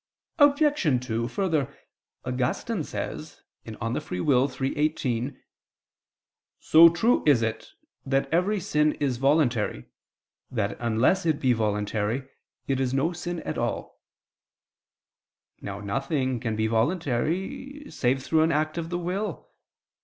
Obj. 2: Further, Augustine says (De Lib. Arb. iii, 18) [*Cf. De Vera Relig. xiv.]: So "true is it that every sin is voluntary, that, unless it be voluntary, it is no sin at all." Now nothing can be voluntary, save through an act of the will.